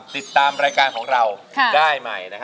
ติดตามรายการของเราได้ใหม่